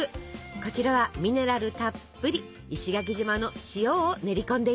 こちらはミネラルたっぷり石垣島の塩を練り込んでいます。